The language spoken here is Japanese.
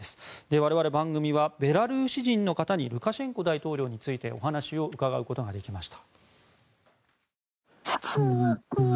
我々番組はベラルーシ人の方にルカシェンコ大統領についてお話を伺うことができました。